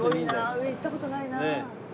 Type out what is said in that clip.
上行った事ないな。